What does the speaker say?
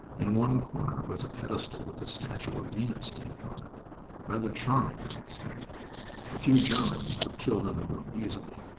In one corner was a pedestal, with a statue of Venus standing on it. Rather charming, I expect. A few Germans were killed in the room, easily.